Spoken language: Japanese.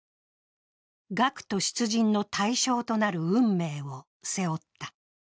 学徒出陣の対象となる運命を背負った。